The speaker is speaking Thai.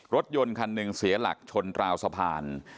รถยนต์คันหนึ่งเสียหลักชนราวสะพาน